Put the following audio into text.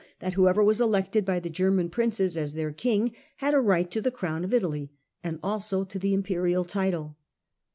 A HERITAGE OF STRIFE 13 whoever was elected by the German princes as their king had a right to the crown of Italy and also to the Imperial title.